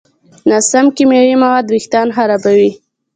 ناسم کیمیاوي مواد وېښتيان خرابوي.